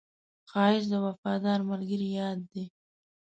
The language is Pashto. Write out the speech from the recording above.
ښایست د وفادار ملګري یاد دی